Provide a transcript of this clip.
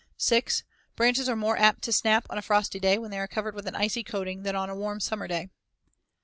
6. Branches are more apt to snap on a frosty day when they are covered with an icy coating than on a warm summer day.